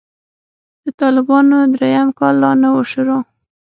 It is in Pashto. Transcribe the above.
د طالبانو درېيم کال لا نه و شروع.